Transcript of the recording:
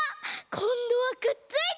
こんどはくっついた！